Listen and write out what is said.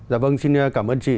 dạ vâng xin cảm ơn chị